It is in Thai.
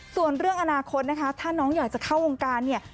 ส่วนเรื่องอนาคตนะคะถ้าน้องอยากจะเข้าวงการเนี่ย